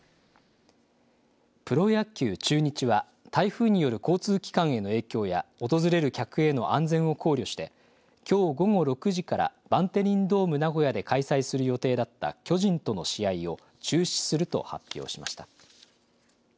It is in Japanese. プロ野球、中日は台風による交通機関への影響や訪れる客への安全を考慮してきょう午後６時からバンテリンドームナゴヤで開催する予定だった巨人との試合を中止すると発表しました。